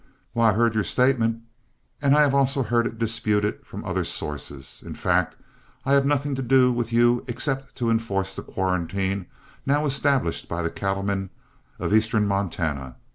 "Why, I heard your statement, and I have also heard it disputed from other sources. In fact I have nothing to do with you except to enforce the quarantine now established by the cattlemen of eastern Montana.